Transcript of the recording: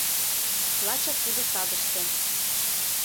Лачак тудо садыште